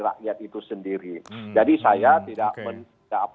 rakyat itu sendiri jadi saya tidak